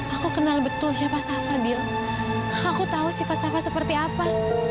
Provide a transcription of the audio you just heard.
aku kenal betul siapa sava dio aku tahu sifat sava seperti apa